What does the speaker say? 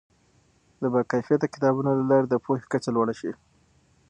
د باکیفیته کتابونو له لارې د پوهې کچه لوړه شي.